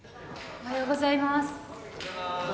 ・おはようございます。